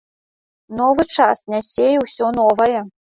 Новы час нясе і ўсё новае.